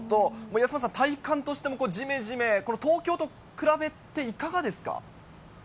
安村さん、体感としてもじめじめ、これ、東京と比べて、いかがですか。